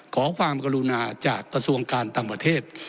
ขอความกรุณาจากกระทรวงการต่างประเทศ